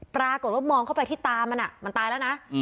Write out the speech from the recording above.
ปรากฏว่ามองเข้าไปที่ตามันมันตายแล้วนะ